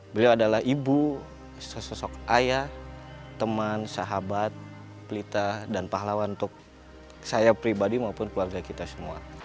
beliau adalah ibu sesosok ayah teman sahabat pelita dan pahlawan untuk saya pribadi maupun keluarga kita semua